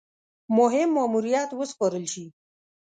مهم ماموریت وسپارل شي.